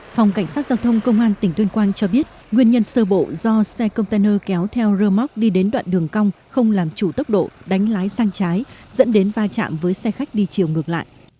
phòng cảnh sát giao thông công an tỉnh tuyên quang cho biết nguyên nhân sơ bộ do xe container kéo theo rơ móc đi đến đoạn đường cong không làm chủ tốc độ đánh lái sang trái dẫn đến va chạm với xe khách đi chiều ngược lại